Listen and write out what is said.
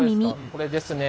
これですね